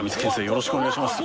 よろしくお願いします。